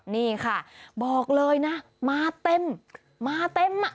นี่ค่ะบอกเลยนะมาเต็มมาเต็มอ่ะ